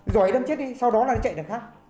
rồi ấy đâm chết đi sau đó nó chạy đằng khác